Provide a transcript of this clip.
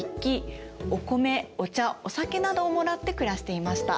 お酒などをもらって暮らしていました。